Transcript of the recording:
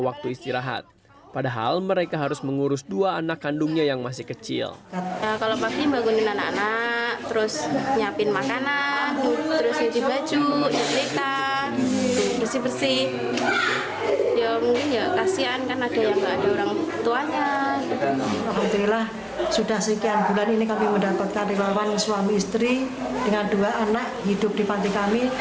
alhamdulillah sudah sekian bulan ini kami mendapatkan relawan suami istri dengan dua anak hidup di panti kami